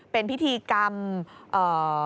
เป็นพิธีกรรมเอ่อ